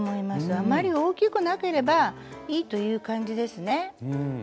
あまり大きくなければいいという感じですね。